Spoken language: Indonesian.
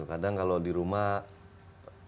kadang kalau di rumah kalau lagi kita press ya kita bisa